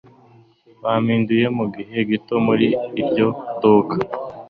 Bampinduye mugihe gito muri iryo duka